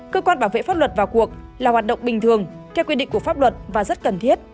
cơ quan bảo vệ pháp luật vào cuộc là hoạt động bình thường theo quy định của pháp luật và rất cần thiết